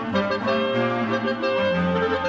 สวัสดีครับสวัสดีครับ